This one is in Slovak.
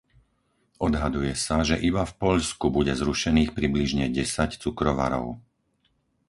Odhaduje sa, že iba v Poľsku bude zrušených približne desať cukrovarov.